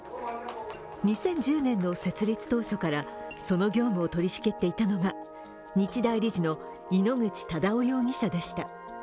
２０１０年の設立当初からその業務を取り仕切っていたのが日大理事の井ノ口忠男容疑者でした。